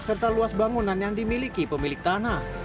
serta luas bangunan yang dimiliki pemilik tanah